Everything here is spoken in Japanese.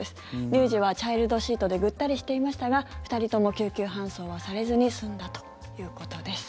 乳児はチャイルドシートでぐったりしていましたが２人とも救急搬送はされずに済んだということです。